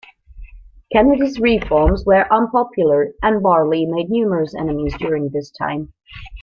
Kennedy's reforms were unpopular, and Barlee made numerous enemies during this time.